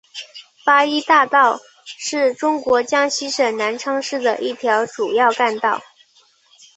八一大道是中国江西省南昌市的一条主要干道。